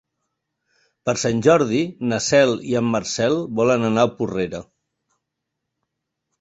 Per Sant Jordi na Cel i en Marcel volen anar a Porrera.